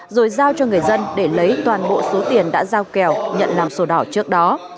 rồi giao cho người dân để lấy toàn bộ số tiền đã giao kèo nhận làm sổ đỏ trước đó